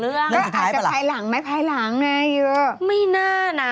เรื่องสุดท้ายเปล่าไม่น่านะ